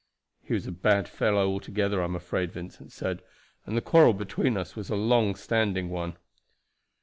"He was a bad fellow altogether, I am afraid," Vincent said; "and the quarrel between us was a long standing one."